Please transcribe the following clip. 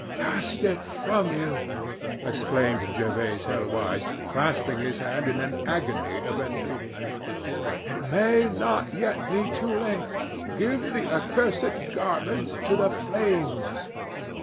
"Cast it from you," exclaimed Jervase Helwyse, clasping his hands in an agony of entreaty. "It may not yet be too late. Give the accursed garment to the flames."